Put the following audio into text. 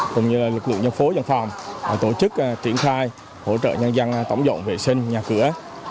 cũng như lực lượng nhân phố dân phòng tổ chức triển khai hỗ trợ nhân dân tổng dọn vệ sinh nhà cửa